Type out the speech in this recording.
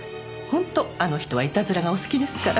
本当あの人はいたずらがお好きですから。